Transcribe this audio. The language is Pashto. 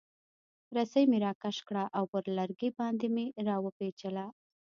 رسۍ مې راکش کړه او پر لرګي باندې مې را وپیچله.